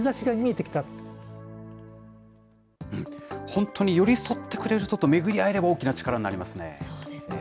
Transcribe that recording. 本当に寄り添ってくれる人と、めぐり合えれば大きな力になりますね。